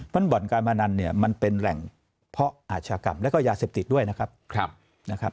เพราะบ่อนการพนันเนี่ยมันเป็นแหล่งเพาะอาชญากรรมแล้วก็ยาเสพติดด้วยนะครับ